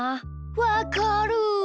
わかる。